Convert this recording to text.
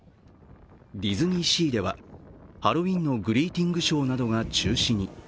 ディズニーシーでは、ハロウィーンのグリーティングショーなどが中止に。